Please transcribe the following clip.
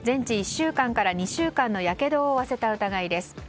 １週間から２週間のやけどを負わせた疑いです。